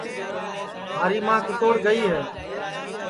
تھاری ماں کیتوڑ گئی ہے